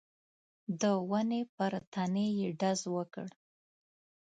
د ونې پر تنې يې ډز وکړ.